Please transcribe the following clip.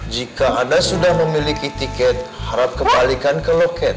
jika anda sudah memiliki tiket harap kebalikan ke loket